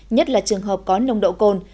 nhất là trường hợp có nồng độ cồn